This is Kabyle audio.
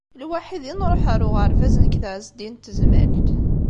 Lwaḥid i nṛuḥ ar uɣerbaz nekk d Ɛezdin n Tezmalt.